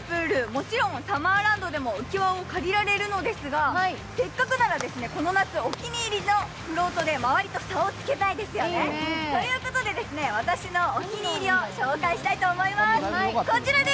もちろんサマーランドでも浮き輪を借りられるのですが、せっかくですので、この夏お気に入りのフロートでまわりと差をつけたいですよね。ということで私のお気に入りを紹介したいと思います。